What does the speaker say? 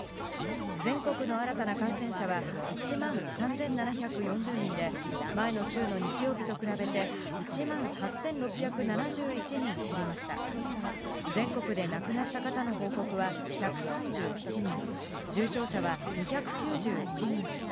全国の新たな感染者は、１万３７４０人で、前の週の日曜日と比べて、１万８６７１人減りました。